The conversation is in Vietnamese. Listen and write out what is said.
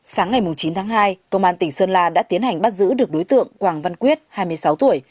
sáng ngày chín tháng hai công an tỉnh sơn la đã tiến hành bắt giữ được đối tượng quảng văn quyết hai mươi sáu tuổi